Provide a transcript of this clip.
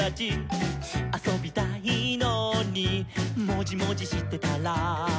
「あそびたいのにもじもじしてたら」